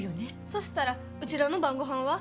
そしたらうちらの晩ごはんは？